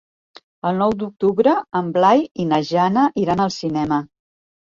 El nou d'octubre en Blai i na Jana iran al cinema.